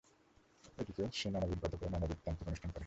এদিকে সে নানাবিধ ব্রত করে, নানাবিধ তান্ত্রিক অনুষ্ঠান করে।